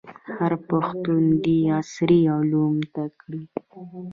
هر پښتون دي عصري علوم زده کړي.